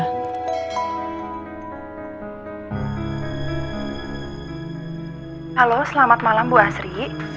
halo selamat malam bu asri